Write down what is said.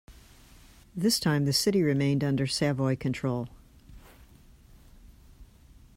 This time the city remained under Savoy control.